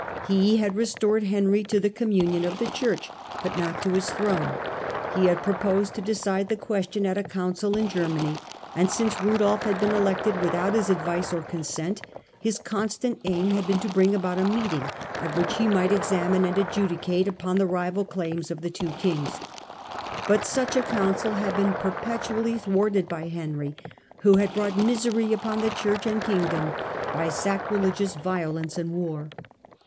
He had restored Henry to the communion of the Church, but not to his throne ; he had purposed Digitized by VjOOQIC The Last Years of Gregory VIL 143 to decide that question at a council in Germany ; and since Budolf had been elected without his advice or consent, his constant aim had been to bring about a meeting at which he might examine and adjudicate upon the rival claims of the two kings. But such a council had been perpetually thwarted by Henry, who had brought misery upon the Church and kingdom by sacrilegious violence and war.